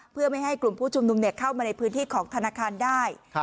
เพื่อไม่ให้กลุ่มผู้ชุมนุมเข้ามาในพื้นที่ของธนาคารได้